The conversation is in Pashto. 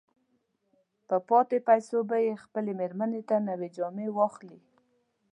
په پاتې پيسو به يې خپلې مېرمې ته نوې جامې واخلي.